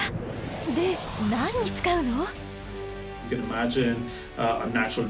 で何に使うの？